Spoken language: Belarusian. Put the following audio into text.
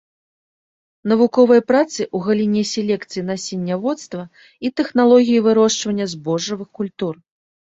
Навуковыя працы ў галіне селекцыі насенняводства і тэхналогіі вырошчвання збожжавых культур.